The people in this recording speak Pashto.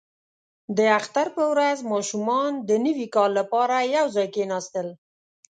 • د اختر په ورځ ماشومان د نوي کال لپاره یو ځای کښېناستل.